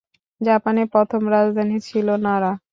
জাপানের প্রথম রাজধানী ছিল নারা।